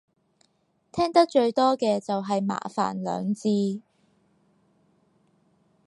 聽得最多嘅就係麻煩兩字